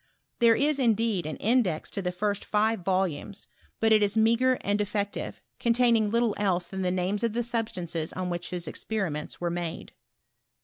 There is, indeed, an index to the first five volumes ; but it is meagre and defective, containing; little else than the names of the substances on which his experiroenls were made.